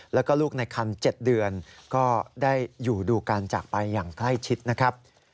แล้วก็ลูกในคัน๗เดือนก็ได้อยู่ดูการจากไปอย่างใกล้ชิดนะครับ